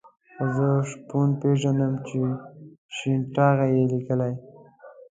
خو زه شپون پېژنم چې شين ټاغی یې لیکلی.